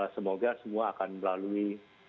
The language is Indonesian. semoga semua akan melalui